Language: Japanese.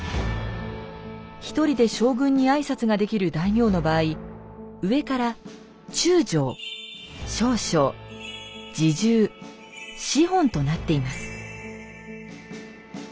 一人で将軍に挨拶ができる大名の場合上からとなっています。